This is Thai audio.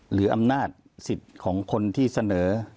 หรืออำนาจสิทธิ์ของคนที่เสนอ